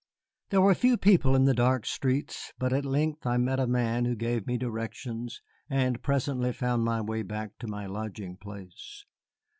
There were few people in the dark streets, but at length I met a man who gave me directions, and presently found my way back to my lodging place.